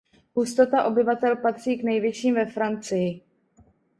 Hustota obyvatel patří k nejvyšším ve Francii.